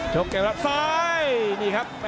โชคแก้วแล้วซ้ายนี่ครับ